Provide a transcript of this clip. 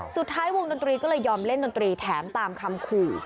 สุดท้ายวงดนตรีก็เลยยอมเล่นดนตรีแถมตามคำขู่